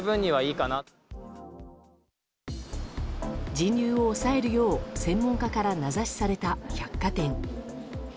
人流を抑えるよう専門家から名指しされた百貨店。